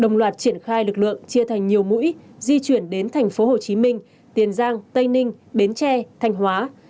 đồng loạt triển khai lực lượng chia thành nhiều mũi di chuyển đến thành phố hồ chí minh tiền giang tây ninh bến tre thành hóa